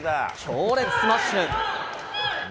強烈スマッシュ。